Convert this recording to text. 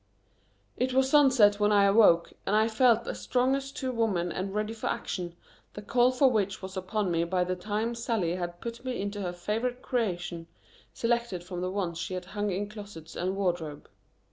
It was sunset when I awoke, and I felt as strong as two women and ready for action, the call for which was upon me by the time Sallie had put me into her favorite creation, selected from the ones she had hung in closets and wardrobe.